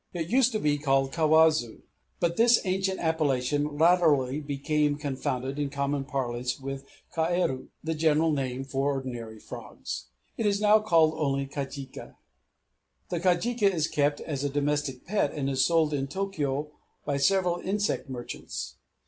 It used to be called kawazu; but as this ancient appellation latterly became confounded in common parlance with kaeru, the general name for ordinary frogs, it is now called only kajika. The kajika is kept as a domestic pet, and is sold in Tōkyō by several insect merchants.